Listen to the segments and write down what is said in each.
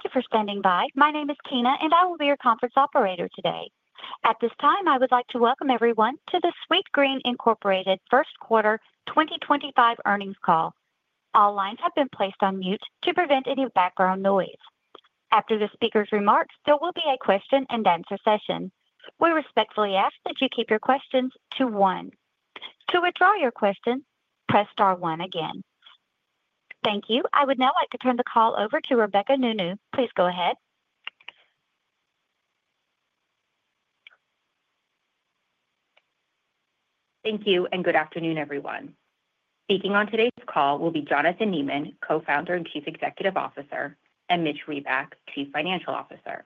Thank you for standing by. My name is Tina, and I will be your conference operator today. At this time, I would like to welcome everyone to the Sweetgreen first quarter 2025 earnings call. All lines have been placed on mute to prevent any background noise. After the speaker's remarks, there will be a question-and-answer session. We respectfully ask that you keep your questions to one. To withdraw your question, press star one again. Thank you. I would now like to turn the call over to Rebecca Nounou. Please go ahead. Thank you and good afternoon, everyone. Speaking on today's call will be Jonathan Neman, Co-founder and Chief Executive Officer, and Mitch Reback, Chief Financial Officer.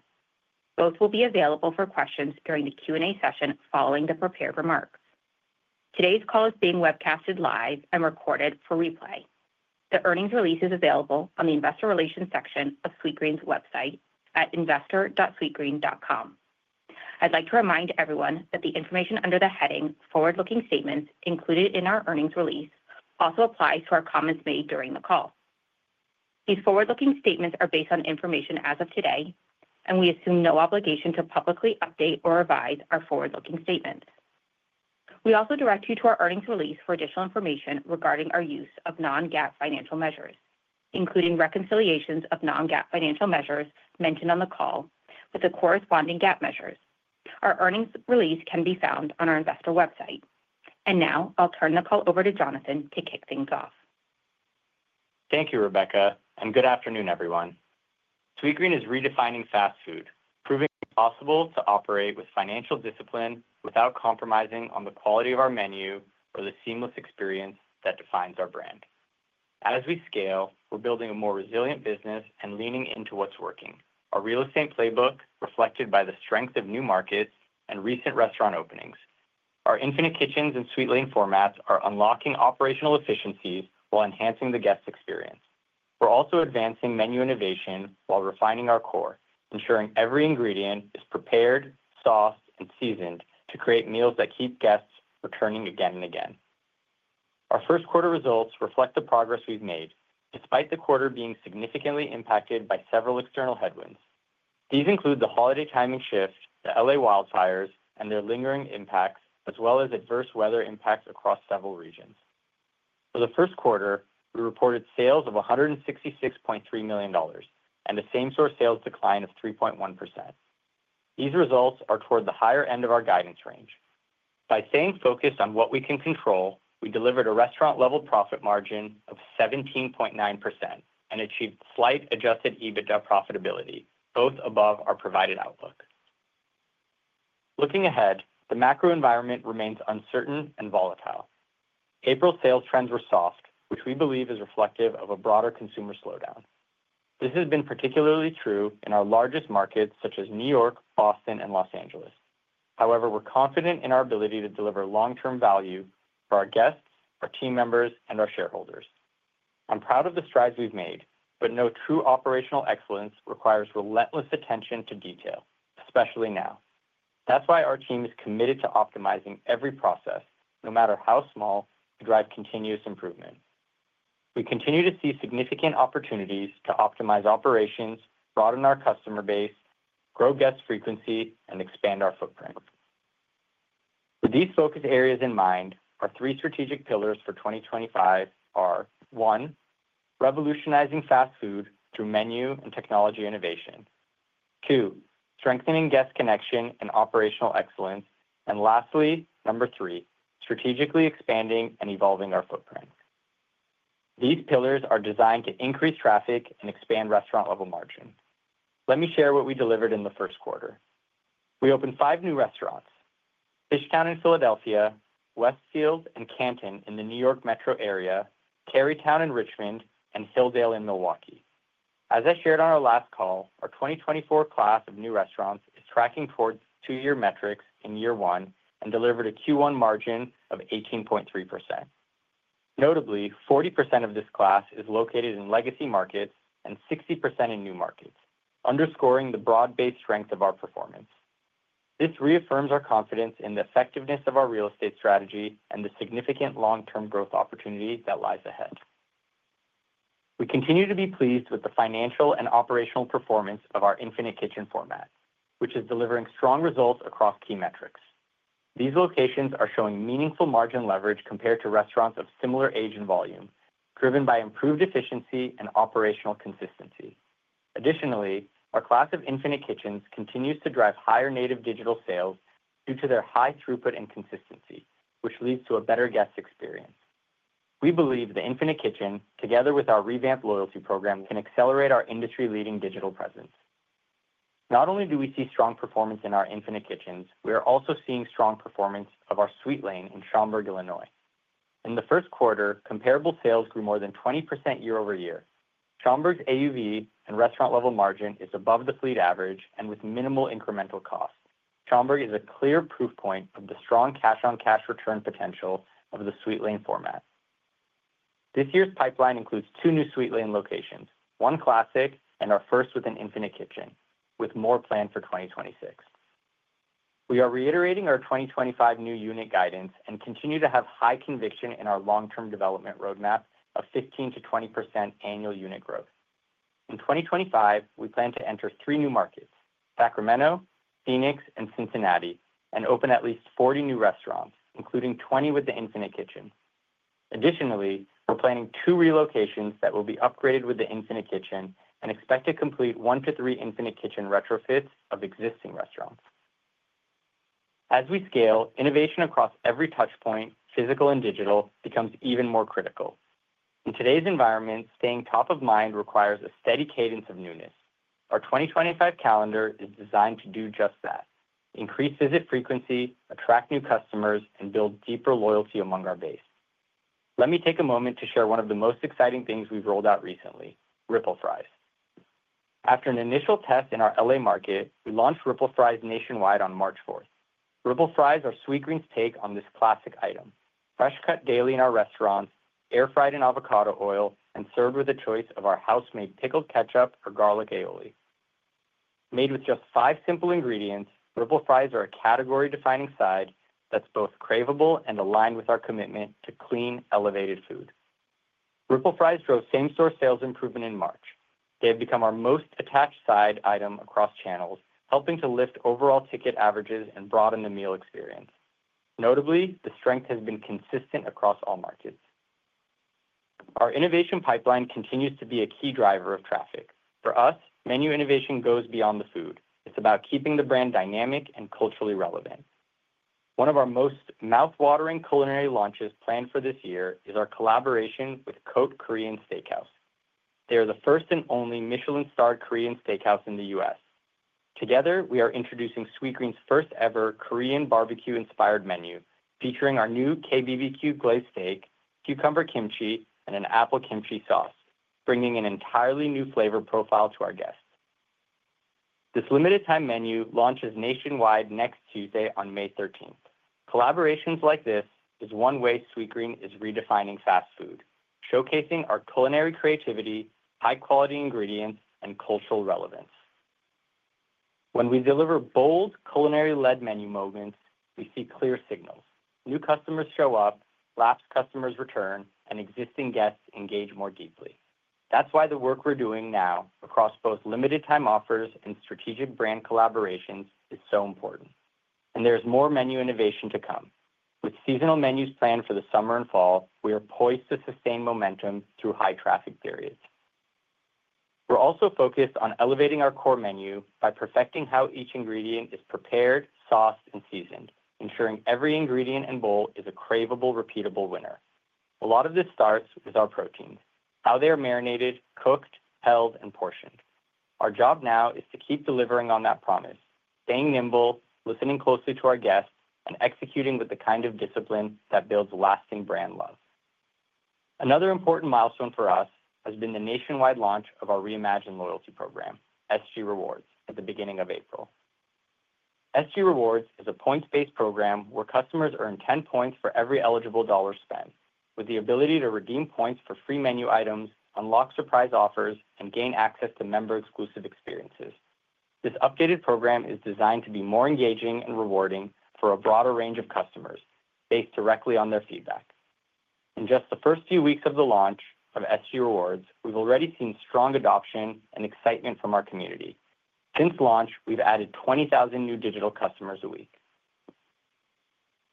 Both will be available for questions during the Q&A session following the prepared remarks. Today's call is being webcast live and recorded for replay. The earnings release is available on the Investor Relations section of Sweetgreen's website at investor.sweetgreen.com. I'd like to remind everyone that the information under the heading "Forward-looking Statements" included in our earnings release also applies to our comments made during the call. These forward-looking statements are based on information as of today, and we assume no obligation to publicly update or revise our forward-looking statements. We also direct you to our earnings release for additional information regarding our use of non-GAAP financial measures, including reconciliations of non-GAAP financial measures mentioned on the call with the corresponding GAAP measures. Our earnings release can be found on our investor website. I will now turn the call over to Jonathan to kick things off. Thank you, Rebecca, and good afternoon, everyone. Sweetgreen is redefining fast food, proving it's possible to operate with financial discipline without compromising on the quality of our menu or the seamless experience that defines our brand. As we scale, we're building a more resilient business and leaning into what's working. Our real estate playbook is reflected by the strength of new markets and recent restaurant openings. Our infinite kitchens and sweet lane formats are unlocking operational efficiencies while enhancing the guest experience. We're also advancing menu innovation while refining our core, ensuring every ingredient is prepared, sauced, and seasoned to create meals that keep guests returning again and again. Our first quarter results reflect the progress we've made, despite the quarter being significantly impacted by several external headwinds. These include the holiday timing shift, the Los Angeles wildfires, and their lingering impacts, as well as adverse weather impacts across several regions. For the first quarter, we reported sales of $166.3 million and a same-store sales decline of 3.1%. These results are toward the higher end of our guidance range. By staying focused on what we can control, we delivered a restaurant-level profit margin of 17.9% and achieved slight adjusted EBITDA profitability, both above our provided outlook. Looking ahead, the macro environment remains uncertain and volatile. April's sales trends were soft, which we believe is reflective of a broader consumer slowdown. This has been particularly true in our largest markets such as New York, Boston, and Los Angeles. However, we're confident in our ability to deliver long-term value for our guests, our team members, and our shareholders. I'm proud of the strides we've made, but no true operational excellence requires relentless attention to detail, especially now. That's why our team is committed to optimizing every process, no matter how small, to drive continuous improvement. We continue to see significant opportunities to optimize operations, broaden our customer base, grow guest frequency, and expand our footprint. With these focus areas in mind, our three strategic pillars for 2025 are: one, revolutionizing fast food through menu and technology innovation; two, strengthening guest connection and operational excellence; and lastly, number three, strategically expanding and evolving our footprint. These pillars are designed to increase traffic and expand restaurant-level margin. Let me share what we delivered in the first quarter. We opened five new restaurants: Fish Town in Philadelphia, Westfield and Canton in the New York metro area, Carytown in Richmond, and Hilldale in Milwaukee. As I shared on our last call, our 2024 class of new restaurants is tracking towards two-year metrics in year one and delivered a Q1 margin of 18.3%. Notably, 40% of this class is located in legacy markets and 60% in new markets, underscoring the broad-based strength of our performance. This reaffirms our confidence in the effectiveness of our real estate strategy and the significant long-term growth opportunity that lies ahead. We continue to be pleased with the financial and operational performance of our infinite kitchen format, which is delivering strong results across key metrics. These locations are showing meaningful margin leverage compared to restaurants of similar age and volume, driven by improved efficiency and operational consistency. Additionally, our class of infinite kitchens continues to drive higher native digital sales due to their high throughput and consistency, which leads to a better guest experience. We believe the infinite kitchen, together with our revamped loyalty program, can accelerate our industry-leading digital presence. Not only do we see strong performance in our infinite kitchens, we are also seeing strong performance of our sweet lane in Schaumburg, Illinois. In the first quarter, comparable sales grew more than 20% year over year. Schaumburg's AUV and restaurant-level margin is above the fleet average and with minimal incremental cost. Schaumburg is a clear proof point of the strong cash-on-cash return potential of the sweet lane format. This year's pipeline includes two new sweet lane locations, one classic and our first with an infinite kitchen, with more planned for 2026. We are reiterating our 2025 new unit guidance and continue to have high conviction in our long-term development roadmap of 15-20% annual unit growth. In 2025, we plan to enter three new markets: Sacramento, Phoenix, and Cincinnati, and open at least 40 new restaurants, including 20 with the infinite kitchen. Additionally, we're planning two relocations that will be upgraded with the infinite kitchen and expect to complete one to three infinite kitchen retrofits of existing restaurants. As we scale, innovation across every touchpoint, physical and digital, becomes even more critical. In today's environment, staying top of mind requires a steady cadence of newness. Our 2025 calendar is designed to do just that: increase visit frequency, attract new customers, and build deeper loyalty among our base. Let me take a moment to share one of the most exciting things we've rolled out recently: ripple fries. After an initial test in our LA market, we launched ripple fries nationwide on March 4. Ripple fries are Sweetgreen's take on this classic item: fresh cut daily in our restaurants, air-fried in avocado oil, and served with a choice of our house-made pickled ketchup or garlic aioli. Made with just five simple ingredients, ripple fries are a category-defining side that's both craveable and aligned with our commitment to clean, elevated food. Ripple fries drove same-store sales improvement in March. They have become our most attached side item across channels, helping to lift overall ticket averages and broaden the meal experience. Notably, the strength has been consistent across all markets. Our innovation pipeline continues to be a key driver of traffic. For us, menu innovation goes beyond the food. It's about keeping the brand dynamic and culturally relevant. One of our most mouthwatering culinary launches planned for this year is our collaboration with Cote Korean Steakhouse. They are the first and only Michelin-starred Korean steakhouse in the U.S. Together, we are introducing Sweetgreen's first-ever Korean barbecue-inspired menu, featuring our new KBBQ glazed steak, cucumber kimchi, and an apple kimchi sauce, bringing an entirely new flavor profile to our guests. This limited-time menu launches nationwide next Tuesday on May 13. Collaborations like this are one way Sweetgreen is redefining fast food, showcasing our culinary creativity, high-quality ingredients, and cultural relevance. When we deliver bold, culinary-led menu moments, we see clear signals. New customers show up, lapsed customers return, and existing guests engage more deeply. That is why the work we are doing now across both limited-time offers and strategic brand collaborations is so important. There is more menu innovation to come. With seasonal menus planned for the summer and fall, we are poised to sustain momentum through high-traffic periods. We're also focused on elevating our core menu by perfecting how each ingredient is prepared, sauced, and seasoned, ensuring every ingredient and bowl is a craveable, repeatable winner. A lot of this starts with our proteins: how they are marinated, cooked, held, and portioned. Our job now is to keep delivering on that promise, staying nimble, listening closely to our guests, and executing with the kind of discipline that builds lasting brand love. Another important milestone for us has been the nationwide launch of our reimagined loyalty program, SG Rewards, at the beginning of April. SG Rewards is a points-based program where customers earn 10 points for every eligible dollar spent, with the ability to redeem points for free menu items, unlock surprise offers, and gain access to member-exclusive experiences. This updated program is designed to be more engaging and rewarding for a broader range of customers, based directly on their feedback. In just the first few weeks of the launch of SG Rewards, we've already seen strong adoption and excitement from our community. Since launch, we've added 20,000 new digital customers a week.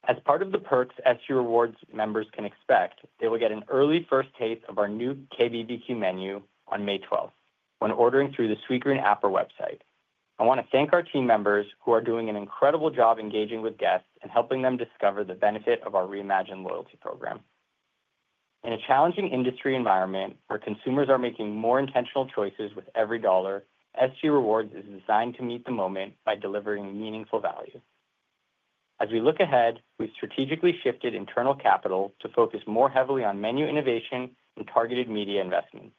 As part of the perks SG Rewards members can expect, they will get an early first taste of our new KBBQ menu on May 12th when ordering through the Sweetgreen app or website. I want to thank our team members who are doing an incredible job engaging with guests and helping them discover the benefit of our reimagined loyalty program. In a challenging industry environment where consumers are making more intentional choices with every dollar, SG Rewards is designed to meet the moment by delivering meaningful value. As we look ahead, we've strategically shifted internal capital to focus more heavily on menu innovation and targeted media investments.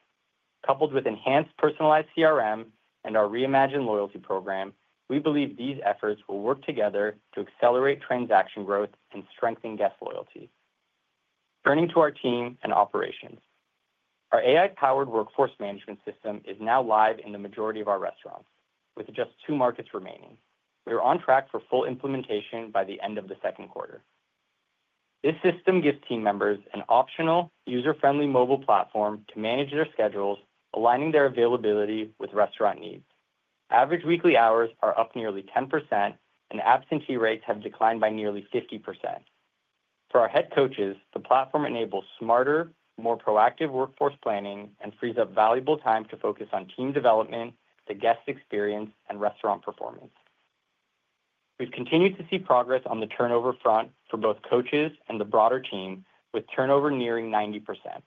Coupled with enhanced personalized CRM and our reimagined loyalty program, we believe these efforts will work together to accelerate transaction growth and strengthen guest loyalty. Turning to our team and operations, our AI-driven labor scheduling system is now live in the majority of our restaurants, with just two markets remaining. We are on track for full implementation by the end of the second quarter. This system gives team members an optional, user-friendly mobile platform to manage their schedules, aligning their availability with restaurant needs. Average weekly hours are up nearly 10%, and absentee rates have declined by nearly 50%. For our head coaches, the platform enables smarter, more proactive workforce planning and frees up valuable time to focus on team development, the guest experience, and restaurant performance. We've continued to see progress on the turnover front for both coaches and the broader team, with turnover nearing 90%.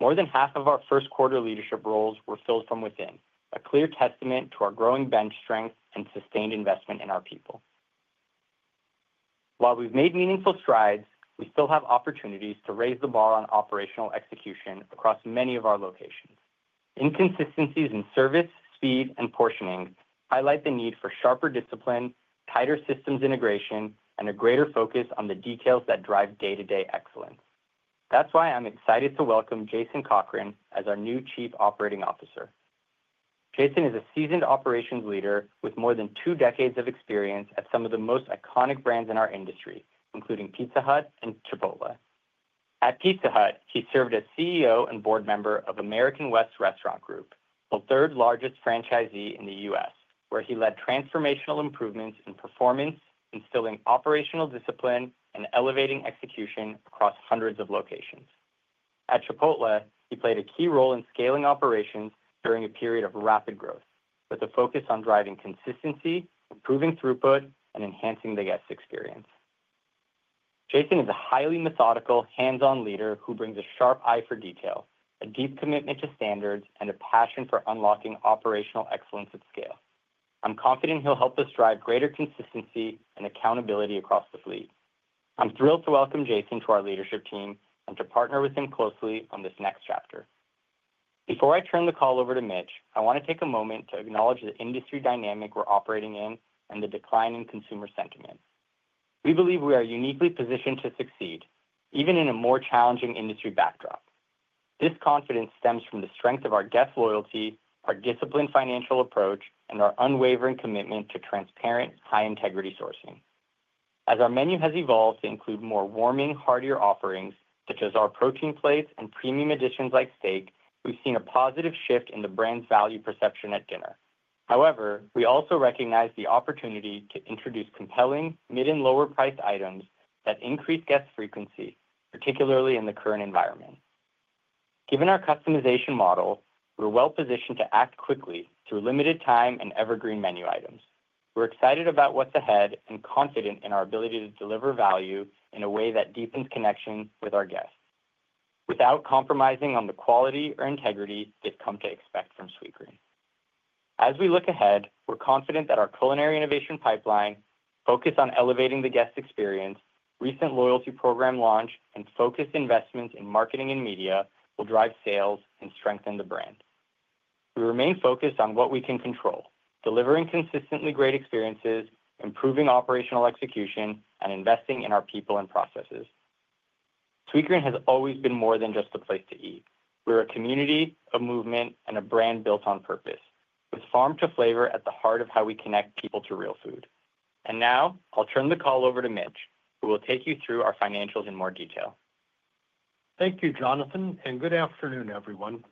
More than half of our first-quarter leadership roles were filled from within, a clear testament to our growing bench strength and sustained investment in our people. While we've made meaningful strides, we still have opportunities to raise the bar on operational execution across many of our locations. Inconsistencies in service, speed, and portioning highlight the need for sharper discipline, tighter systems integration, and a greater focus on the details that drive day-to-day excellence. That's why I'm excited to welcome Jason Cochran as our new Chief Operating Officer. Jason is a seasoned operations leader with more than two decades of experience at some of the most iconic brands in our industry, including Pizza Hut and Chipotle. At Pizza Hut, he served as CEO and board member of American West Restaurant Group, the third-largest franchisee in the US, where he led transformational improvements in performance, instilling operational discipline and elevating execution across hundreds of locations. At Chipotle, he played a key role in scaling operations during a period of rapid growth, with a focus on driving consistency, improving throughput, and enhancing the guest experience. Jason is a highly methodical, hands-on leader who brings a sharp eye for detail, a deep commitment to standards, and a passion for unlocking operational excellence at scale. I'm confident he'll help us drive greater consistency and accountability across the fleet. I'm thrilled to welcome Jason to our leadership team and to partner with him closely on this next chapter. Before I turn the call over to Mitch, I want to take a moment to acknowledge the industry dynamic we're operating in and the decline in consumer sentiment. We believe we are uniquely positioned to succeed, even in a more challenging industry backdrop. This confidence stems from the strength of our guest loyalty, our disciplined financial approach, and our unwavering commitment to transparent, high-integrity sourcing. As our menu has evolved to include more warming, heartier offerings, such as our protein plates and premium additions like steak, we've seen a positive shift in the brand's value perception at dinner. However, we also recognize the opportunity to introduce compelling, mid and lower-priced items that increase guest frequency, particularly in the current environment. Given our customization model, we're well-positioned to act quickly through limited-time and evergreen menu items. We're excited about what's ahead and confident in our ability to deliver value in a way that deepens connection with our guests, without compromising on the quality or integrity they've come to expect from Sweetgreen. As we look ahead, we're confident that our culinary innovation pipeline, focus on elevating the guest experience, recent loyalty program launch, and focused investments in marketing and media will drive sales and strengthen the brand. We remain focused on what we can control, delivering consistently great experiences, improving operational execution, and investing in our people and processes. Sweetgreen has always been more than just a place to eat. We're a community, a movement, and a brand built on purpose, with farm-to-flavor at the heart of how we connect people to real food. Now, I'll turn the call over to Mitch, who will take you through our financials in more detail. Thank you, Jonathan, and good afternoon, everyone.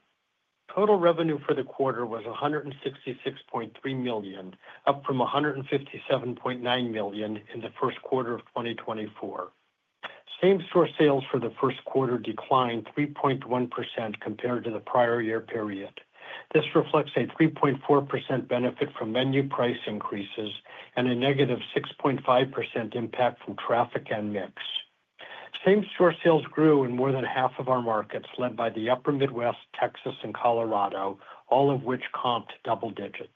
Total revenue for the quarter was $166.3 million, up from $157.9 million in the first quarter of 2024. Same-store sales for the first quarter declined 3.1% compared to the prior year period. This reflects a 3.4% benefit from menu price increases and a negative 6.5% impact from traffic and mix. Same-store sales grew in more than half of our markets, led by the Upper Midwest, Texas, and Colorado, all of which comped double digits.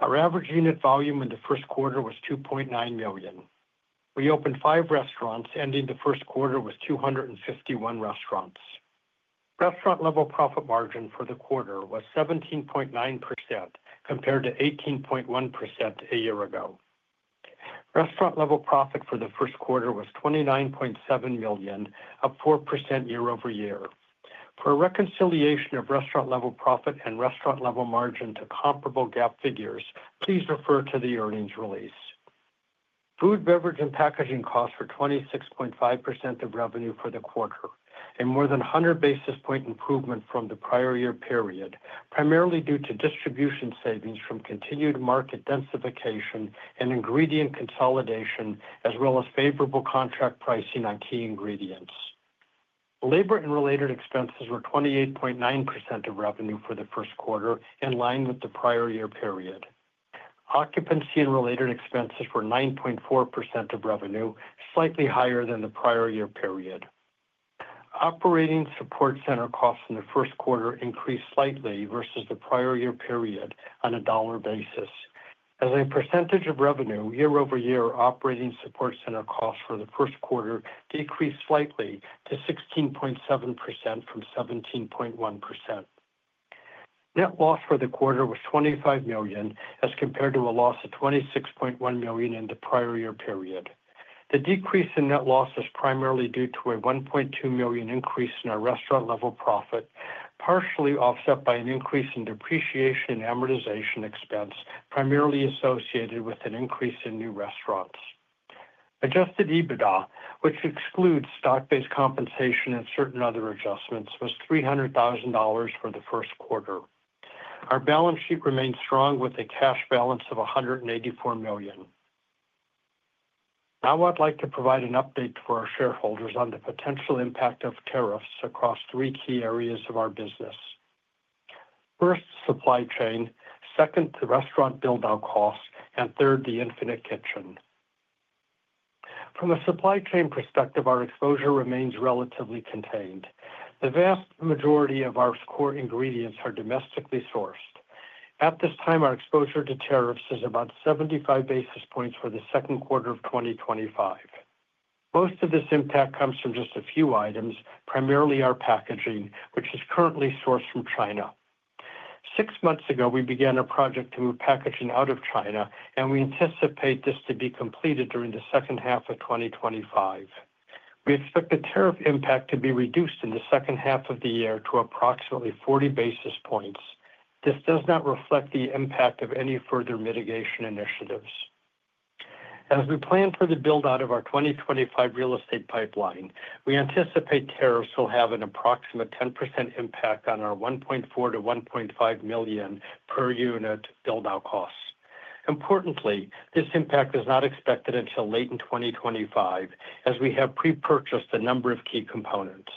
Our average unit volume in the first quarter was $2.9 million. We opened five restaurants, ending the first quarter with 251 restaurants. Restaurant-level profit margin for the quarter was 17.9% compared to 18.1% a year ago. Restaurant-level profit for the first quarter was $29.7 million, up 4% year over year. For a reconciliation of restaurant-level profit and restaurant-level margin to comparable GAAP figures, please refer to the earnings release. Food, beverage, and packaging costs were 26.5% of revenue for the quarter, a more than 100 basis point improvement from the prior year period, primarily due to distribution savings from continued market densification and ingredient consolidation, as well as favorable contract pricing on key ingredients. Labor and related expenses were 28.9% of revenue for the first quarter, in line with the prior year period. Occupancy and related expenses were 9.4% of revenue, slightly higher than the prior year period. Operating support center costs in the first quarter increased slightly versus the prior year period on a dollar basis. As a percentage of revenue, year over year, operating support center costs for the first quarter decreased slightly to 16.7% from 17.1%. Net loss for the quarter was $25 million, as compared to a loss of $26.1 million in the prior year period. The decrease in net loss is primarily due to a $1.2 million increase in our restaurant-level profit, partially offset by an increase in depreciation and amortization expense, primarily associated with an increase in new restaurants. Adjusted EBITDA, which excludes stock-based compensation and certain other adjustments, was $300,000 for the first quarter. Our balance sheet remained strong with a cash balance of $184 million. Now, I'd like to provide an update for our shareholders on the potential impact of tariffs across three key areas of our business. First, supply chain; second, the restaurant build-out costs; and third, the infinite kitchen. From a supply chain perspective, our exposure remains relatively contained. The vast majority of our core ingredients are domestically sourced. At this time, our exposure to tariffs is about 75 basis points for the second quarter of 2025. Most of this impact comes from just a few items, primarily our packaging, which is currently sourced from China. Six months ago, we began a project to move packaging out of China, and we anticipate this to be completed during the second half of 2025. We expect the tariff impact to be reduced in the second half of the year to approximately 40 basis points. This does not reflect the impact of any further mitigation initiatives. As we plan for the build-out of our 2025 real estate pipeline, we anticipate tariffs will have an approximate 10% impact on our $1.4 million-$1.5 million per unit build-out costs. Importantly, this impact is not expected until late in 2025, as we have pre-purchased a number of key components.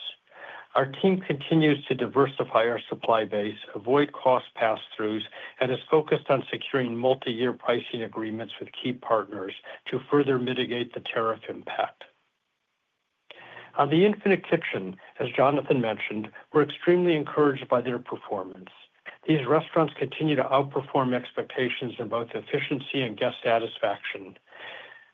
Our team continues to diversify our supply base, avoid cost pass-throughs, and is focused on securing multi-year pricing agreements with key partners to further mitigate the tariff impact. On the infinite kitchen, as Jonathan mentioned, we're extremely encouraged by their performance. These restaurants continue to outperform expectations in both efficiency and guest satisfaction.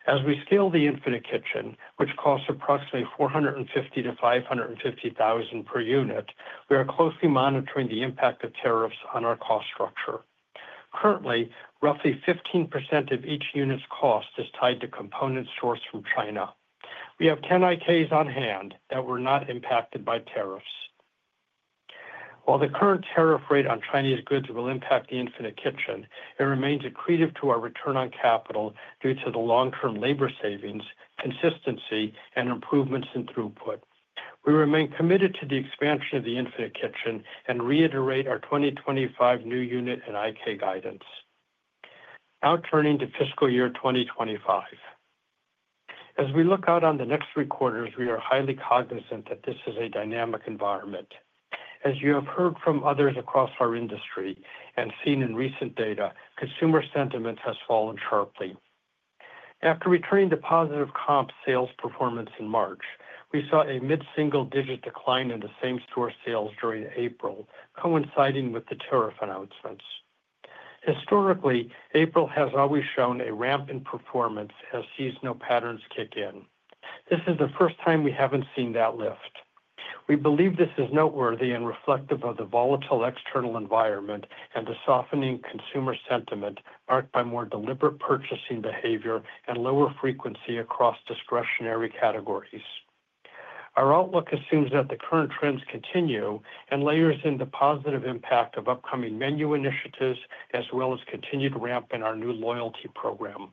As we scale the infinite kitchen, which costs approximately $450,000-$550,000 per unit, we are closely monitoring the impact of tariffs on our cost structure. Currently, roughly 15% of each unit's cost is tied to components sourced from China. We have 10 IKs on hand that were not impacted by tariffs. While the current tariff rate on Chinese goods will impact the infinite kitchen, it remains accretive to our return on capital due to the long-term labor savings, consistency, and improvements in throughput. We remain committed to the expansion of the infinite kitchen and reiterate our 2025 new unit and IK guidance. Now, turning to fiscal year 2025. As we look out on the next three quarters, we are highly cognizant that this is a dynamic environment. As you have heard from others across our industry and seen in recent data, consumer sentiment has fallen sharply. After returning to positive comp sales performance in March, we saw a mid-single-digit decline in the same-store sales during April, coinciding with the tariff announcements. Historically, April has always shown a ramp in performance as seasonal patterns kick in. This is the first time we have not seen that lift. We believe this is noteworthy and reflective of the volatile external environment and the softening consumer sentiment marked by more deliberate purchasing behavior and lower frequency across discretionary categories. Our outlook assumes that the current trends continue and layers in the positive impact of upcoming menu initiatives as well as continued ramp in our new loyalty program.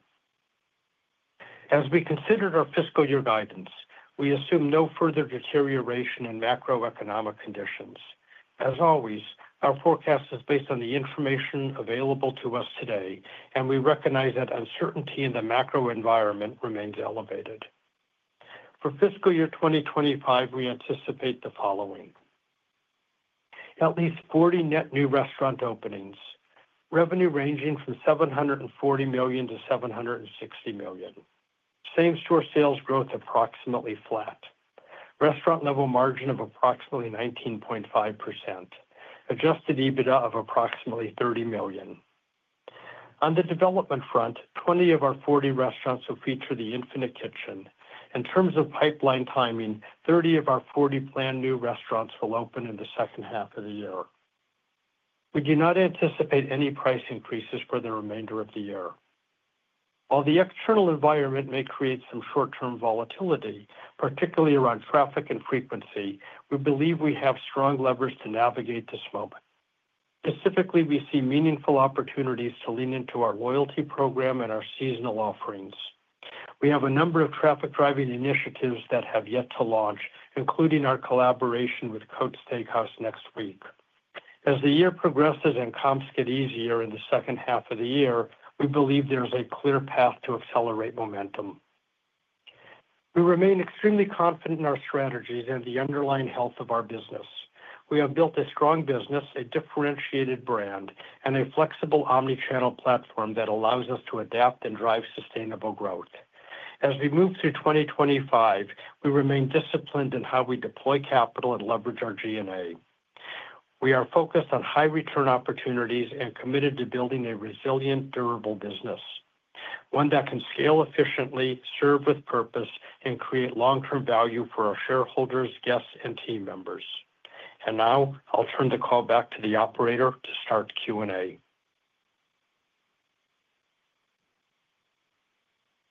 As we considered our fiscal year guidance, we assume no further deterioration in macroeconomic conditions. As always, our forecast is based on the information available to us today, and we recognize that uncertainty in the macro environment remains elevated. For fiscal year 2025, we anticipate the following: at least 40 net new restaurant openings, revenue ranging from $740 million-$760 million, same-store sales growth approximately flat, restaurant-level margin of approximately 19.5%, adjusted EBITDA of approximately $30 million. On the development front, 20 of our 40 restaurants will feature the infinite kitchen. In terms of pipeline timing, 30 of our 40 planned new restaurants will open in the second half of the year. We do not anticipate any price increases for the remainder of the year. While the external environment may create some short-term volatility, particularly around traffic and frequency, we believe we have strong levers to navigate this moment. Specifically, we see meaningful opportunities to lean into our loyalty program and our seasonal offerings. We have a number of traffic-driving initiatives that have yet to launch, including our collaboration with Cote Korean Steakhouse next week. As the year progresses and comps get easier in the second half of the year, we believe there is a clear path to accelerate momentum. We remain extremely confident in our strategies and the underlying health of our business. We have built a strong business, a differentiated brand, and a flexible omnichannel platform that allows us to adapt and drive sustainable growth. As we move through 2025, we remain disciplined in how we deploy capital and leverage our G&A. We are focused on high-return opportunities and committed to building a resilient, durable business, one that can scale efficiently, serve with purpose, and create long-term value for our shareholders, guests, and team members. I will turn the call back to the operator to start Q&A.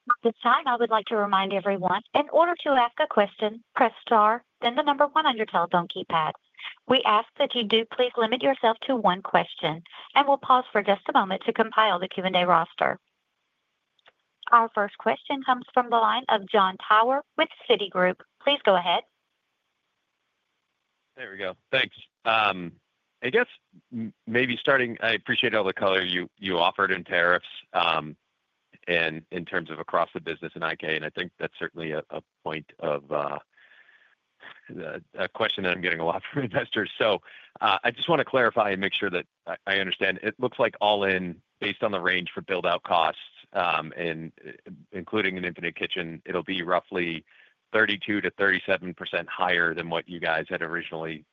At this time, I would like to remind everyone, in order to ask a question, press star, then the number one on your telephone keypad. We ask that you do please limit yourself to one question, and we'll pause for just a moment to compile the Q&A roster. Our first question comes from the line of Jon Michael Tower with Citigroup. Please go ahead. There we go. Thanks. I guess maybe starting, I appreciate all the color you offered in tariffs and in terms of across the business in IK, and I think that's certainly a point of a question that I'm getting a lot from investors. So I just want to clarify and make sure that I understand. It looks like all in, based on the range for build-out costs, including an infinite kitchen, it'll be roughly 32%-37% higher than what you guys had originally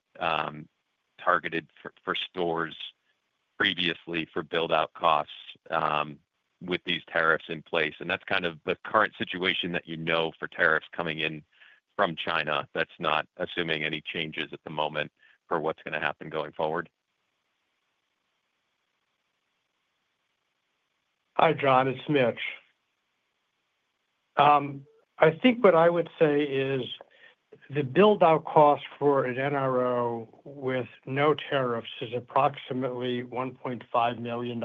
targeted for stores previously for build-out costs with these tariffs in place. And that's kind of the current situation that you know for tariffs coming in from China. That's not assuming any changes at the moment for what's going to happen going forward. Hi, John. It's Mitch. I think what I would say is the build-out cost for an NRO with no tariffs is approximately $1.5 million.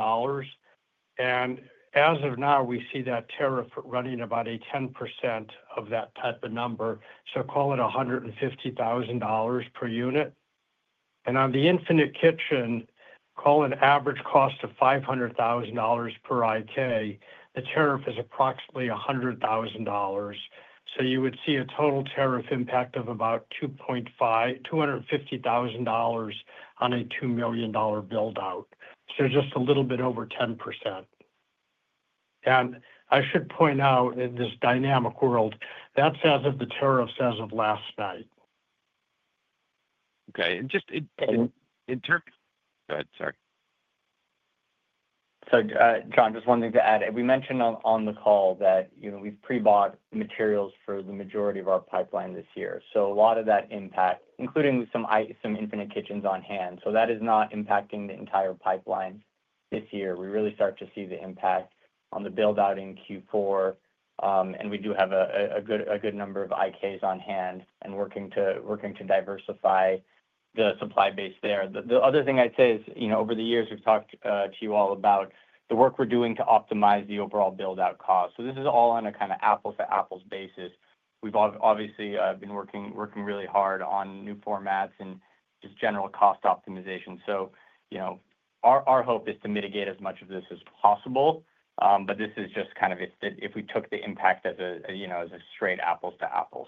As of now, we see that tariff running about a 10% of that type of number, so call it $150,000 per unit. On the infinite kitchen, call an average cost of $500,000 per IK, the tariff is approximately $100,000. You would see a total tariff impact of about $250,000 on a $2 million build-out, just a little bit over 10%. I should point out, in this dynamic world, that's as of the tariffs as of last night. Okay. Just in terms of—go ahead. Sorry. John, just one thing to add. We mentioned on the call that we've pre-bought materials for the majority of our pipeline this year. A lot of that impact, including some infinite kitchens on hand. That is not impacting the entire pipeline this year. We really start to see the impact on the build-out in Q4, and we do have a good number of IKs on hand and working to diversify the supply base there. The other thing I'd say is, over the years, we've talked to you all about the work we're doing to optimize the overall build-out cost. This is all on a kind of apples-to-apples basis. We've obviously been working really hard on new formats and just general cost optimization. Our hope is to mitigate as much of this as possible, but this is just kind of if we took the impact as a straight apples-to-apples.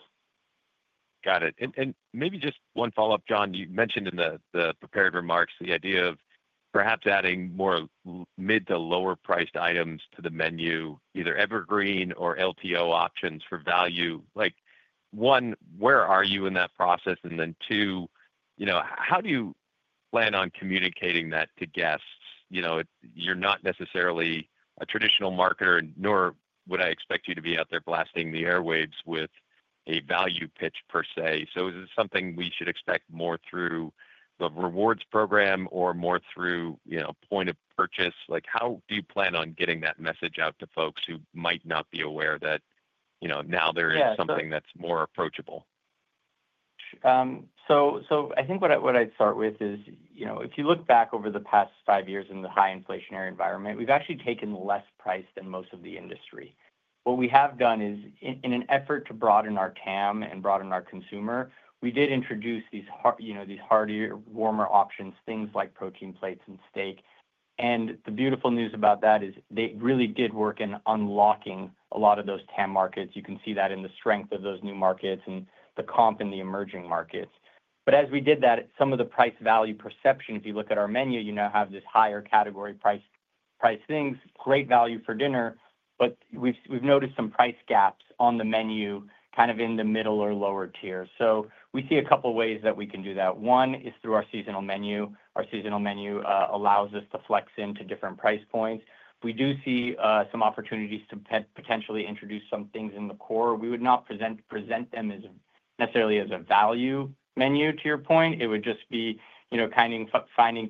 Got it. Maybe just one follow-up, John. You mentioned in the prepared remarks the idea of perhaps adding more mid to lower-priced items to the menu, either evergreen or LTO options for value. One, where are you in that process? Two, how do you plan on communicating that to guests? You're not necessarily a traditional marketer, nor would I expect you to be out there blasting the airwaves with a value pitch per se. Is it something we should expect more through the rewards program or more through point of purchase? How do you plan on getting that message out to folks who might not be aware that now there is something that's more approachable? I think what I'd start with is, if you look back over the past five years in the high inflationary environment, we've actually taken less price than most of the industry. What we have done is, in an effort to broaden our TAM and broaden our consumer, we did introduce these hardier, warmer options, things like protein plates and steak. The beautiful news about that is they really did work in unlocking a lot of those TAM markets. You can see that in the strength of those new markets and the comp in the emerging markets. As we did that, some of the price value perception, if you look at our menu, you now have these higher category price things, great value for dinner, but we've noticed some price gaps on the menu kind of in the middle or lower tier. We see a couple of ways that we can do that. One is through our seasonal menu. Our seasonal menu allows us to flex into different price points. We do see some opportunities to potentially introduce some things in the core. We would not present them necessarily as a value menu, to your point. It would just be finding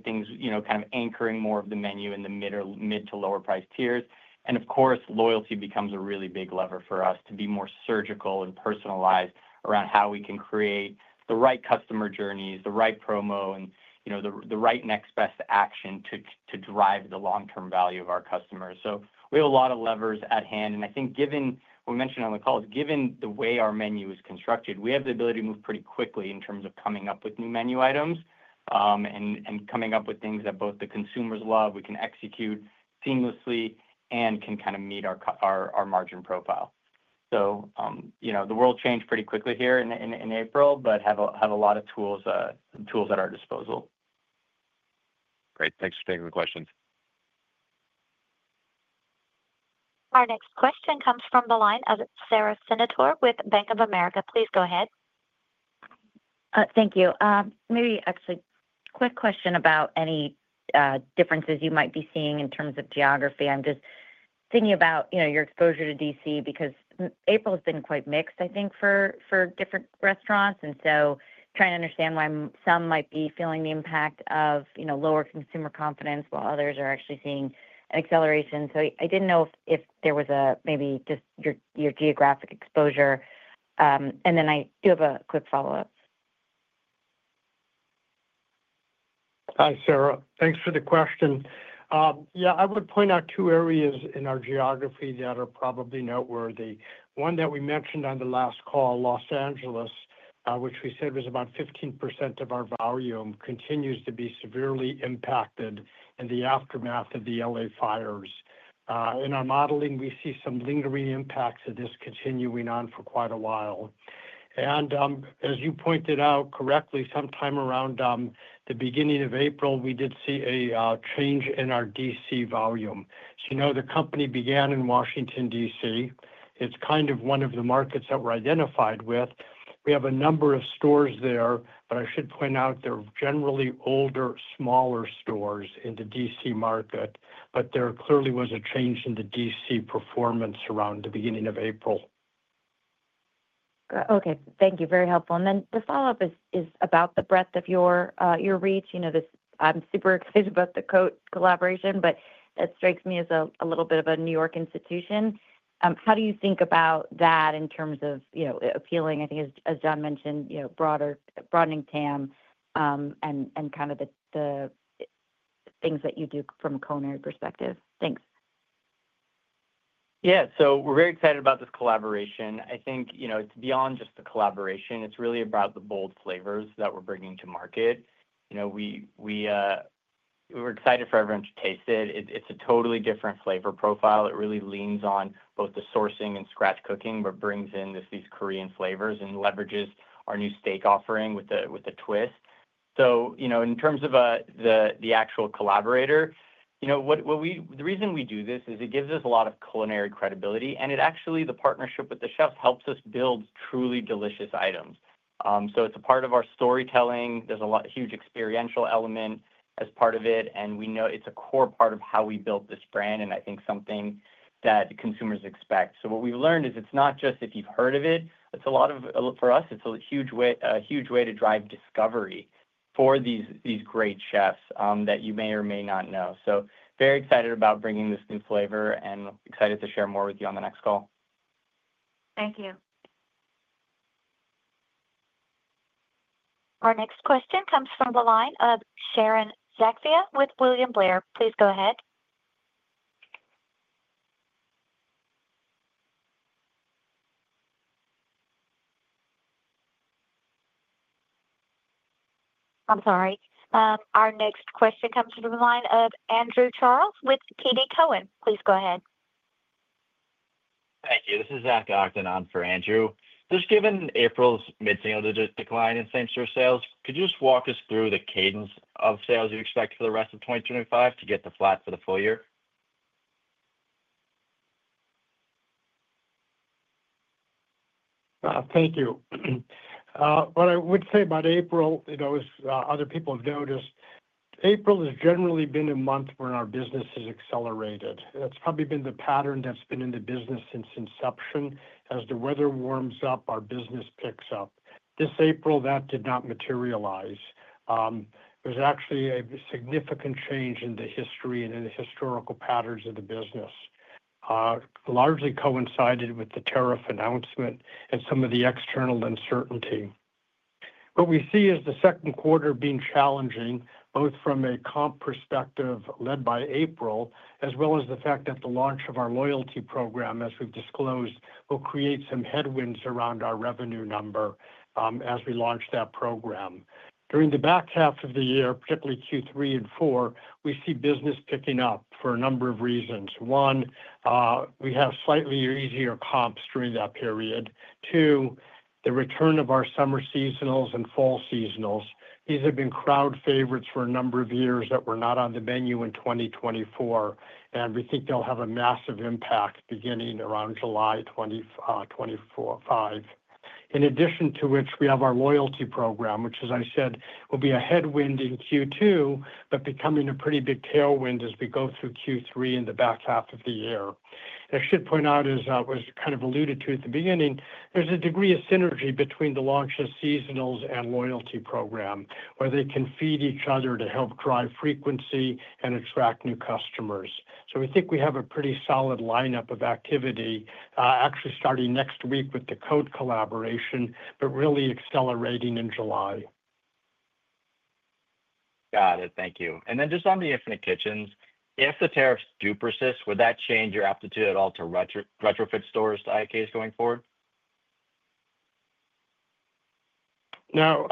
things, kind of anchoring more of the menu in the mid to lower price tiers. Of course, loyalty becomes a really big lever for us to be more surgical and personalized around how we can create the right customer journeys, the right promo, and the right next best action to drive the long-term value of our customers. We have a lot of levers at hand. I think, given what we mentioned on the call, given the way our menu is constructed, we have the ability to move pretty quickly in terms of coming up with new menu items and coming up with things that both the consumers love, we can execute seamlessly, and can kind of meet our margin profile. The world changed pretty quickly here in April, but have a lot of tools at our disposal. Great. Thanks for taking the questions. Our next question comes from the line of Sarah Senator with Bank of America. Please go ahead. Thank you. Maybe actually a quick question about any differences you might be seeing in terms of geography. I'm just thinking about your exposure to DC because April has been quite mixed, I think, for different restaurants. Trying to understand why some might be feeling the impact of lower consumer confidence while others are actually seeing an acceleration. I didn't know if there was maybe just your geographic exposure. I do have a quick follow-up. Hi, Sarah. Thanks for the question. Yeah, I would point out two areas in our geography that are probably noteworthy. One that we mentioned on the last call, Los Angeles, which we said was about 15% of our volume, continues to be severely impacted in the aftermath of the LA fires. In our modeling, we see some lingering impacts of this continuing on for quite a while. As you pointed out correctly, sometime around the beginning of April, we did see a change in our DC volume. The company began in Washington, DC. It's kind of one of the markets that we're identified with. We have a number of stores there, but I should point out they're generally older, smaller stores in the DC market, but there clearly was a change in the DC performance around the beginning of April. Okay. Thank you. Very helpful. The follow-up is about the breadth of your reach. I'm super excited about the Cote collaboration, but that strikes me as a little bit of a New York institution. How do you think about that in terms of appealing, I think, as John mentioned, broadening TAM and kind of the things that you do from a culinary perspective? Thanks. Yeah. So we're very excited about this collaboration. I think it's beyond just the collaboration. It's really about the bold flavors that we're bringing to market. We're excited for everyone to taste it. It's a totally different flavor profile. It really leans on both the sourcing and scratch cooking, but brings in these Korean flavors and leverages our new steak offering with a twist. In terms of the actual collaborator, the reason we do this is it gives us a lot of culinary credibility, and actually, the partnership with the chefs helps us build truly delicious items. It's a part of our storytelling. There's a huge experiential element as part of it, and we know it's a core part of how we built this brand and I think something that consumers expect. What we've learned is it's not just if you've heard of it. For us, it's a huge way to drive discovery for these great chefs that you may or may not know. Very excited about bringing this new flavor and excited to share more with you on the next call. Thank you. Our next question comes from the line of Sharon Zachia with William Blair. Please go ahead. I'm sorry. Our next question comes from the line of Andrew Charles with TD Cowen. Please go ahead. Thank you. This is Zach Octonon for Andrew. Just given April's mid-single digit decline in same-store sales, could you just walk us through the cadence of sales you expect for the rest of 2025 to get the flat for the full year? Thank you. What I would say about April, as other people have noticed, April has generally been a month where our business has accelerated. That's probably been the pattern that's been in the business since inception. As the weather warms up, our business picks up. This April, that did not materialize. There's actually a significant change in the history and in the historical patterns of the business, largely coincided with the tariff announcement and some of the external uncertainty. What we see is the second quarter being challenging, both from a comp perspective led by April, as well as the fact that the launch of our loyalty program, as we've disclosed, will create some headwinds around our revenue number as we launch that program. During the back half of the year, particularly Q3 and Q4, we see business picking up for a number of reasons. One, we have slightly easier comps during that period. Two, the return of our summer seasonals and fall seasonals. These have been crowd favorites for a number of years that were not on the menu in 2024, and we think they'll have a massive impact beginning around July 2025. In addition to which, we have our loyalty program, which, as I said, will be a headwind in Q2, but becoming a pretty big tailwind as we go through Q3 in the back half of the year. I should point out, as was kind of alluded to at the beginning, there is a degree of synergy between the launch of seasonals and loyalty program, where they can feed each other to help drive frequency and attract new customers. We think we have a pretty solid lineup of activity, actually starting next week with the Coke collaboration, but really accelerating in July. Got it. Thank you. And then just on the infinite kitchens, if the tariffs do persist, would that change your aptitude at all to retrofit stores to IKs going forward? No.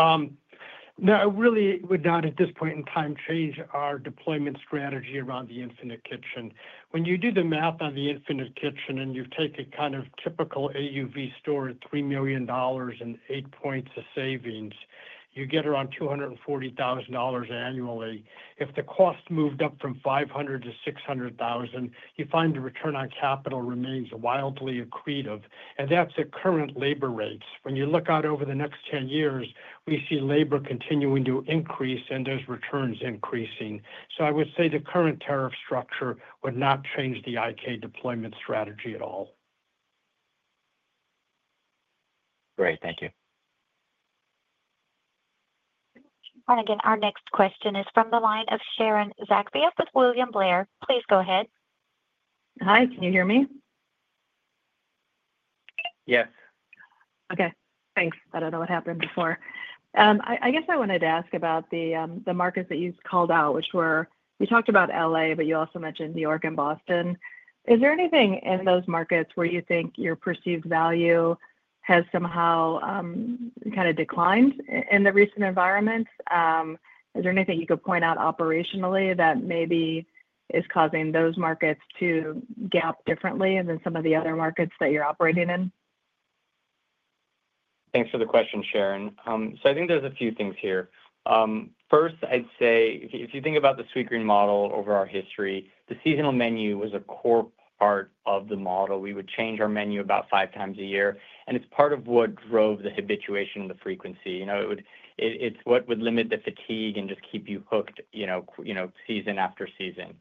No, it really would not at this point in time change our deployment strategy around the infinite kitchen. When you do the math on the infinite kitchen and you take a kind of typical AUV store at $3 million and 8 points of savings, you get around $240,000 annually. If the cost moved up from $500,000 to $600,000, you find the return on capital remains wildly accretive. That is at current labor rates. When you look out over the next 10 years, we see labor continuing to increase and those returns increasing. I would say the current tariff structure would not change the IK deployment strategy at all. Great. Thank you. Again, our next question is from the line of Sharon Zachia with William Blair. Please go ahead. Hi. Can you hear me? Yes. Okay. Thanks. I do not know what happened before. I guess I wanted to ask about the markets that you called out, which were we talked about LA, but you also mentioned New York and Boston. Is there anything in those markets where you think your perceived value has somehow kind of declined in the recent environment? Is there anything you could point out operationally that maybe is causing those markets to gap differently than some of the other markets that you're operating in? Thanks for the question, Sharon. I think there's a few things here. First, I'd say if you think about the Sweetgreen model over our history, the seasonal menu was a core part of the model. We would change our menu about five times a year. It's part of what drove the habituation and the frequency. It's what would limit the fatigue and just keep you hooked season after season.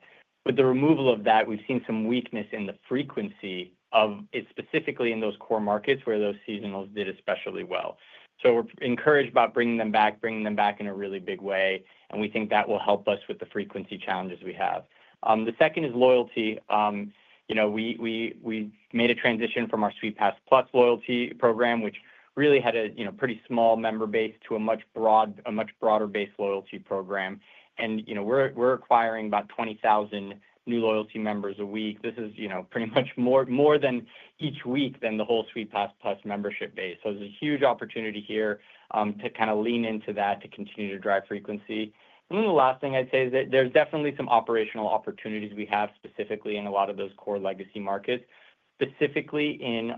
With the removal of that, we've seen some weakness in the frequency of it specifically in those core markets where those seasonals did especially well. We are encouraged about bringing them back, bringing them back in a really big way. We think that will help us with the frequency challenges we have. The second is loyalty. We made a transition from our SweetPass Plus loyalty program, which really had a pretty small member base, to a much broader base loyalty program. We are acquiring about 20,000 new loyalty members a week. This is pretty much more than each week than the whole SweetPass Plus membership base. There is a huge opportunity here to kind of lean into that to continue to drive frequency. The last thing I'd say is that there's definitely some operational opportunities we have specifically in a lot of those core legacy markets, specifically in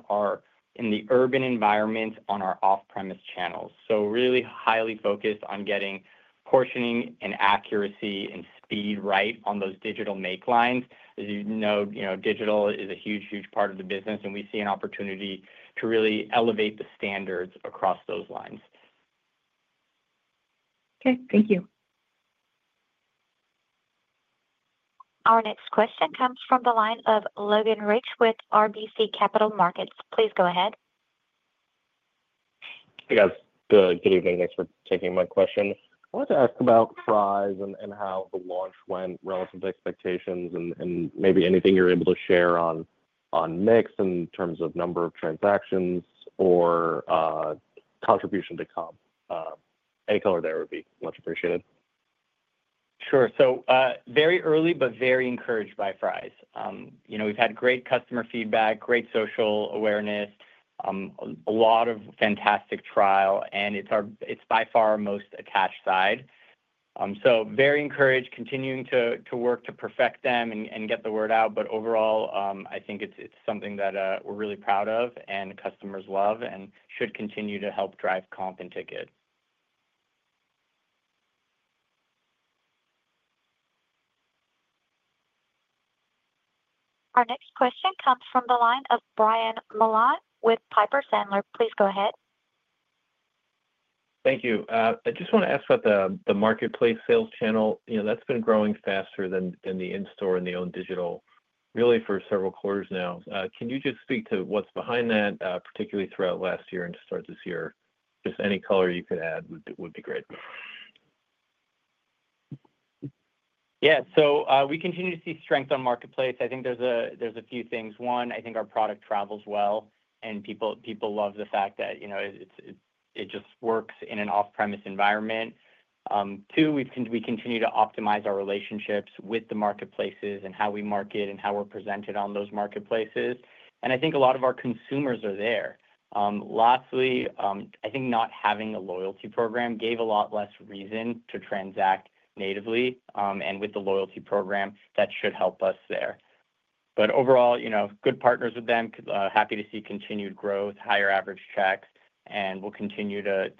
the urban environment on our off-premise channels. Really highly focused on getting portioning and accuracy and speed right on those digital make lines. As you know, digital is a huge, huge part of the business, and we see an opportunity to really elevate the standards across those lines. Thank you. Our next question comes from the line of Logan Rich with RBC Capital Markets. Please go ahead. Hey, guys. Good evening. Thanks for taking my question. I wanted to ask about fries and how the launch went relative to expectations and maybe anything you're able to share on mix in terms of number of transactions or contribution to comp. Any color there would be much appreciated. Sure. Very early, but very encouraged by fries. We've had great customer feedback, great social awareness, a lot of fantastic trial, and it's by far our most attached side. Very encouraged, continuing to work to perfect them and get the word out. Overall, I think it's something that we're really proud of and customers love and should continue to help drive comp and ticket. Our next question comes from the line of Brian Hugh Mullan with Piper Sandler. Please go ahead. Thank you. I just want to ask about the marketplace sales channel. That's been growing faster than the in-store and the own digital, really for several quarters now. Can you just speak to what's behind that, particularly throughout last year and to start this year? Any color you could add would be great. Yeah. We continue to see strength on marketplace. I think there's a few things. One, I think our product travels well, and people love the fact that it just works in an off-premise environment. Two, we continue to optimize our relationships with the marketplaces and how we market and how we're presented on those marketplaces. I think a lot of our consumers are there. Lastly, I think not having a loyalty program gave a lot less reason to transact natively. With the loyalty program, that should help us there. Overall, good partners with them, happy to see continued growth, higher average checks, and we'll continue to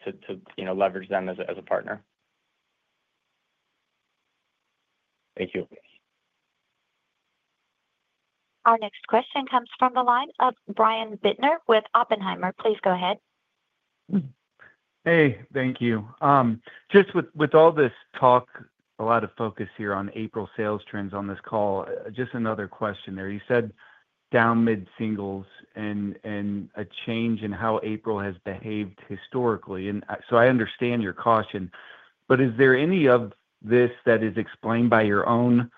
leverage them as a partner. Thank you. Our next question comes from the line of Brian John Bittner with Oppenheimer. Please go ahead. Hey. Thank you. Just with all this talk, a lot of focus here on April sales trends on this call. Just another question there. You said down mid-singles and a change in how April has behaved historically. I understand your caution, but is there any of this that is explained by your own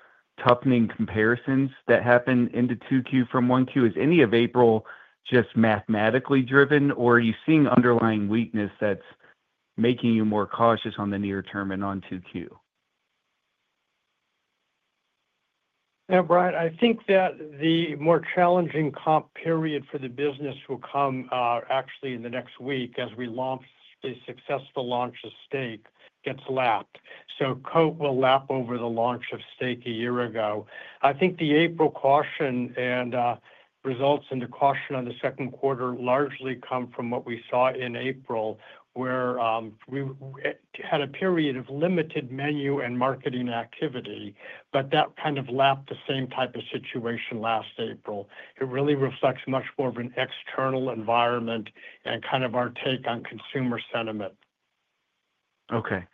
toughening comparisons that happened into 2Q from 1Q? Is any of April just mathematically driven, or are you seeing underlying weakness that's making you more cautious on the near term and on 2Q? Yeah, Brian, I think that the more challenging comp period for the business will come actually in the next week as we launch the successful launch of steak. Gets lapped. So Coke will lap over the launch of steak a year ago. I think the April caution and results in the caution on the second quarter largely come from what we saw in April, where we had a period of limited menu and marketing activity, but that kind of lapped the same type of situation last April. It really reflects much more of an external environment and kind of our take on consumer sentiment. Okay.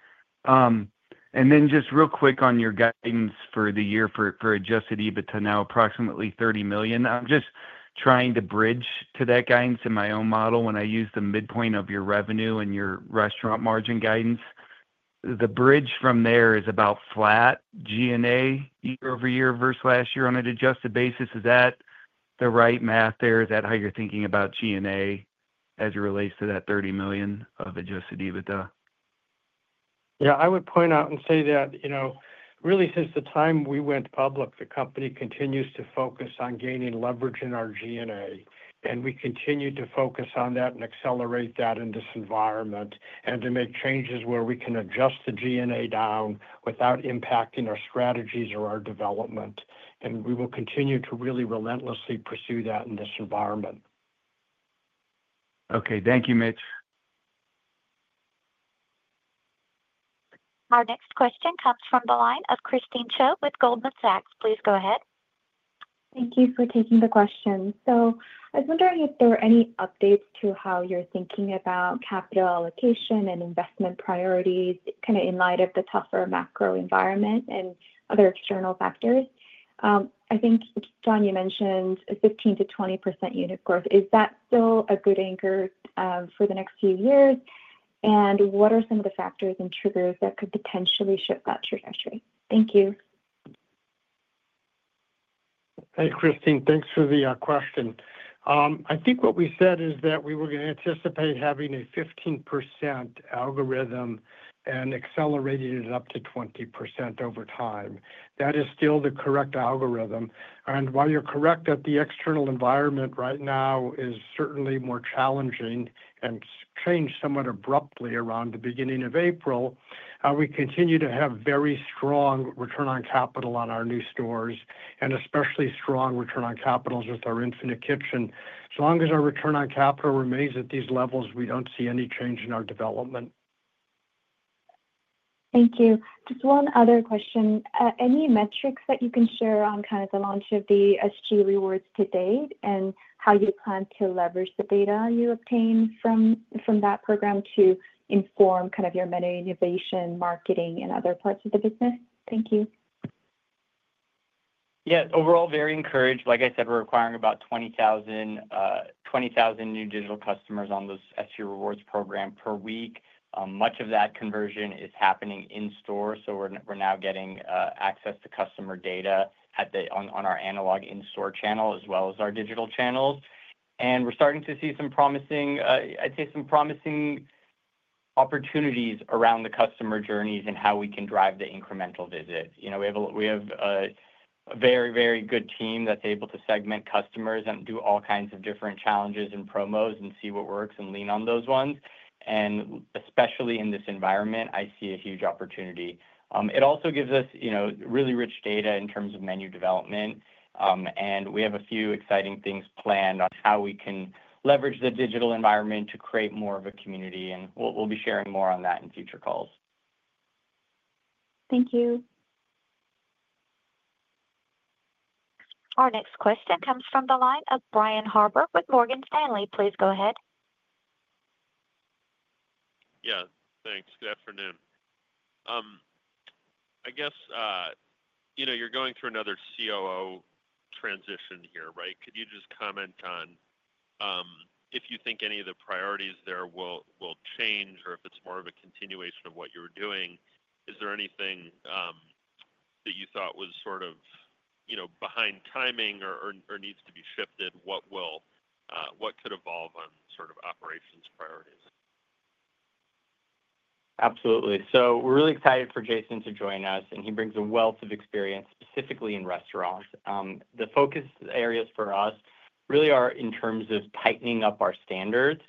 And then just real quick on your guidance for the year for adjusted EBITDA now, approximately $30 million. I'm just trying to bridge to that guidance in my own model when I use the midpoint of your revenue and your restaurant margin guidance. The bridge from there is about flat G&A year over year versus last year on an adjusted basis. Is that the right math there? Is that how you're thinking about G&A as it relates to that $30 million of adjusted EBITDA? Yeah. I would point out and say that really since the time we went public, the company continues to focus on gaining leverage in our G&A. We continue to focus on that and accelerate that in this environment to make changes where we can adjust the G&A down without impacting our strategies or our development. We will continue to really relentlessly pursue that in this environment. Okay. Thank you, Mitch. Our next question comes from the line of Christine Cho with Goldman Sachs. Please go ahead. Thank you for taking the question. I was wondering if there were any updates to how you're thinking about capital allocation and investment priorities kind of in light of the tougher macro environment and other external factors. I think, John, you mentioned a 15%-20% unit growth. Is that still a good anchor for the next few years? What are some of the factors and triggers that could potentially shift that trajectory? Thank you. Hey, Christine, thanks for the question. I think what we said is that we were going to anticipate having a 15% algorithm and accelerating it up to 20% over time. That is still the correct algorithm. While you're correct that the external environment right now is certainly more challenging and changed somewhat abruptly around the beginning of April, we continue to have very strong return on capital on our new stores and especially strong return on capitals with our infinite kitchen. As long as our return on capital remains at these levels, we do not see any change in our development. Thank you. Just one other question. Any metrics that you can share on kind of the launch of the SG Rewards to date and how you plan to leverage the data you obtain from that program to inform kind of your menu innovation, marketing, and other parts of the business? Thank you. Yeah. Overall, very encouraged. Like I said, we're acquiring about 20,000 new digital customers on the SG Rewards program per week. Much of that conversion is happening in store. We're now getting access to customer data on our analog in-store channel as well as our digital channels. We're starting to see some promising, I'd say some promising opportunities around the customer journeys and how we can drive the incremental visit. We have a very, very good team that's able to segment customers and do all kinds of different challenges and promos and see what works and lean on those ones. Especially in this environment, I see a huge opportunity. It also gives us really rich data in terms of menu development. We have a few exciting things planned on how we can leverage the digital environment to create more of a community. We will be sharing more on that in future calls. Thank you. Our next question comes from the line of Brian Harbour with Morgan Stanley. Please go ahead. Yeah. Thanks. Good afternoon. I guess you are going through another COO transition here, right? Could you just comment on if you think any of the priorities there will change or if it is more of a continuation of what you are doing? Is there anything that you thought was sort of behind timing or needs to be shifted? What could evolve on sort of operations priorities? Absolutely. We're really excited for Jason to join us, and he brings a wealth of experience specifically in restaurants. The focus areas for us really are in terms of tightening up our standards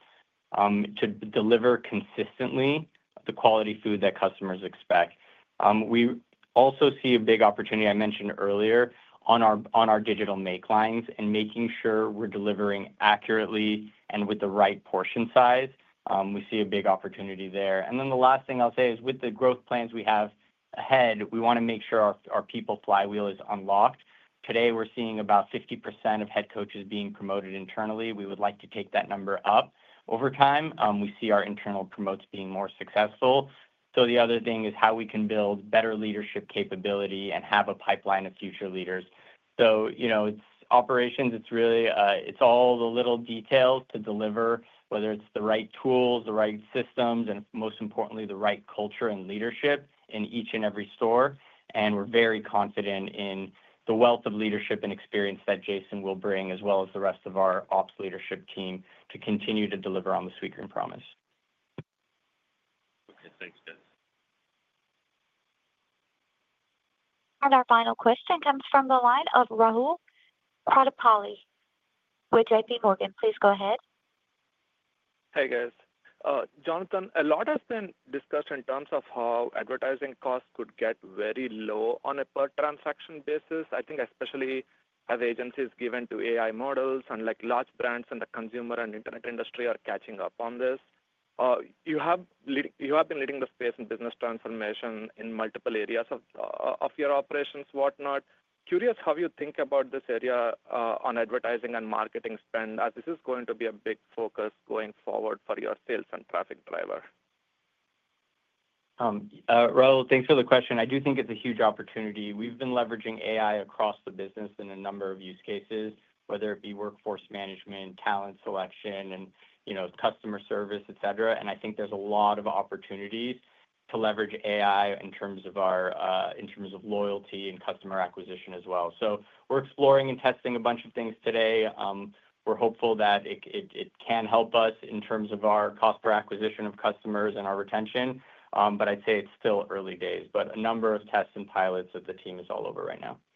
to deliver consistently the quality food that customers expect. We also see a big opportunity I mentioned earlier on our digital make lines and making sure we're delivering accurately and with the right portion size. We see a big opportunity there. The last thing I'll say is with the growth plans we have ahead, we want to make sure our people flywheel is unlocked. Today, we're seeing about 50% of head coaches being promoted internally. We would like to take that number up. Over time, we see our internal promotes being more successful. The other thing is how we can build better leadership capability and have a pipeline of future leaders. It's operations. It's all the little details to deliver, whether it's the right tools, the right systems, and most importantly, the right culture and leadership in each and every store. We are very confident in the wealth of leadership and experience that Jason will bring, as well as the rest of our ops leadership team to continue to deliver on the Sweetgreen promise. Okay. Thanks, guys. Our final question comes from the line of Rahul Krotthapalli with JPMorgan. Please go ahead. Hey, guys. Jonathan, a lot has been discussed in terms of how advertising costs could get very low on a per transaction basis. I think especially as agencies give in to AI models and large brands in the consumer and internet industry are catching up on this. You have been leading the space in business transformation in multiple areas of your operations, whatnot. Curious how you think about this area on advertising and marketing spend as this is going to be a big focus going forward for your sales and traffic driver. Rahul, thanks for the question. I do think it's a huge opportunity. We've been leveraging AI across the business in a number of use cases, whether it be workforce management, talent selection, and customer service, etc. I think there's a lot of opportunities to leverage AI in terms of our loyalty and customer acquisition as well. We're exploring and testing a bunch of things today. We're hopeful that it can help us in terms of our cost per acquisition of customers and our retention, but I'd say it's still early days. A number of tests and pilots that the team is all over right now. Thank you.